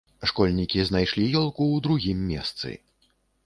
Школьнікі знайшлі ёлку ў другім месцы.